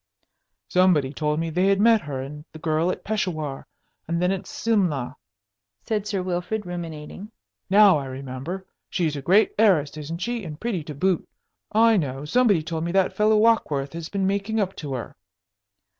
"Somebody told me they had met her and the girl at Peshawar and then at Simla," said Sir Wilfrid, ruminating. "Now I remember! She's a great heiress, isn't she, and pretty to boot? I know! Somebody told me that fellow Warkworth had been making up to her."